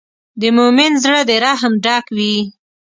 د مؤمن زړۀ د رحم ډک وي.